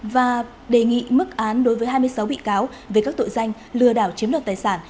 và đề nghị mức án đối với hai mươi sáu bị cáo về các tội danh lừa đảo chiếm đoạt tài sản